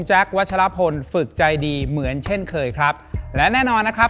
วัชลพลฝึกใจดีเหมือนเช่นเคยครับและแน่นอนนะครับ